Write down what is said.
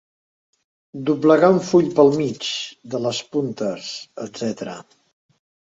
Doblegar un full pel mig, de les puntes, etc.